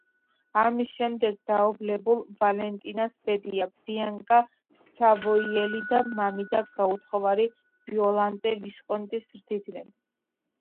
ამის შემდეგ, დაობლებულ ვალენტინას ბებია, ბიანკა სავოიელი და მამიდა, გაუთხოვარი ვიოლანტე ვისკონტი ზრდიდნენ.